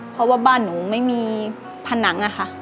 เพราะว่าบ้านหนูไม่มีผนังอะค่ะ